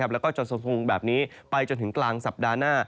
แล้วก็จะทรงแบบนี้ไปจนถึงกลางสัปดาห์หน้า